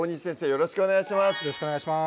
よろしくお願いします